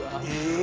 え！